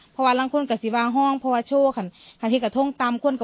เพราะว่าบางคนก็สิวางห้องเพราะว่าโชว์คันที่กระทงตามคนก็